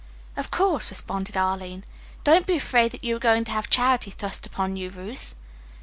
"Of course," responded Arline. "Don't be afraid that you are going to have charity thrust upon you, Ruth."